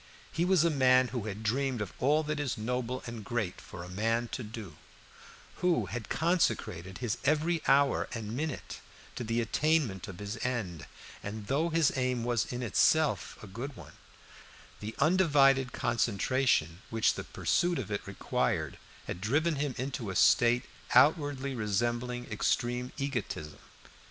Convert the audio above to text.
He was a man who had dreamed of all that is noble and great for man to do, who had consecrated his every hour and minute to the attainment of his end; and though his aim was in itself a good one, the undivided concentration which the pursuit of it required had driven him into a state outwardly resembling extreme egotism.